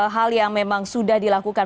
hal yang memang sudah dilakukan